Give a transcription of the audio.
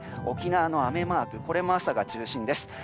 沖縄の雨マークも朝が中心です。